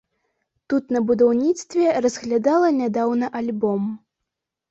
Тут на будаўніцтве разглядала нядаўна альбом.